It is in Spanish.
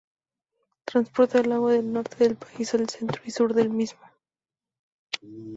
Transporta el agua del norte del país al centro y sur del mismo.